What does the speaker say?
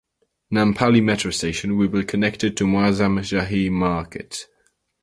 Nampally metro station will be connected to Moazzam Jahi Market.